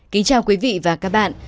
kính chào quý vị và các bạn